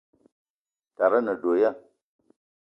Tara a ne do ya?